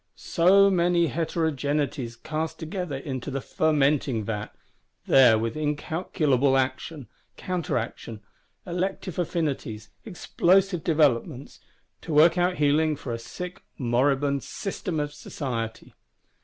—So many heterogeneities cast together into the fermenting vat; there, with incalculable action, counteraction, elective affinities, explosive developments, to work out healing for a sick moribund System of Society!